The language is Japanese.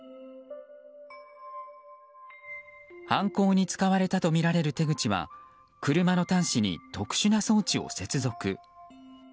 犯行に使われたとみられる手口は車の端子に特殊な装置を接続。